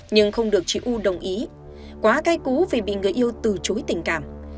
nhưng không được chị u đồng ý quá cay cú vì bị người yêu từ chối tình cảm